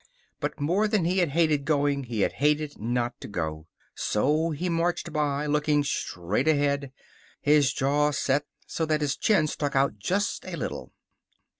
But more than he had hated going, he had hated not to go. So he marched by, looking straight ahead, his jaw set so that his chin stuck out just a little.